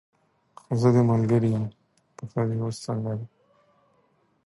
خو زه دې ملګرې یم، پښه دې اوس څنګه ده؟